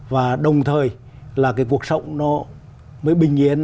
và đồng thời là cái cuộc sống nó mới bình yên